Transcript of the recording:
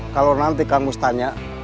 kalau nanti kamu tanya